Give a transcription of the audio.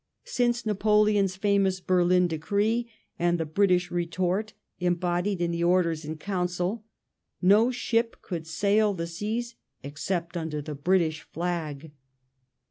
Since Napoleon's famous Berlin Decree and the British retort embodied in the Orders in Council no ship could sail the seas except under the British Flag.